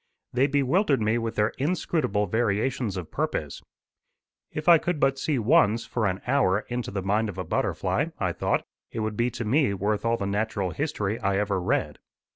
They bewildered me with their inscrutable variations of purpose. "If I could but see once, for an hour, into the mind of a butterfly," I thought, "it would be to me worth all the natural history I ever read.